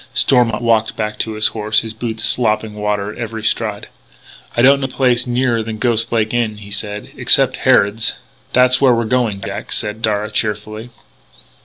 Stormont walked back to his horse, his boots slopping water at every stride. "I don't know any place nearer than Ghost Lake Inn," he said ... "except Harrod's." "That's where we're going, Jack," said Darragh cheerfully.